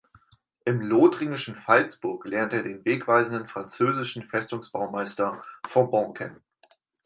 Im lothringischen Pfalzburg lernte er den wegweisenden französischen Festungsbaumeister Vauban kennen.